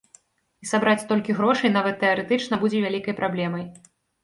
І сабраць столькі грошай нават тэарэтычна будзе вялікай праблемай.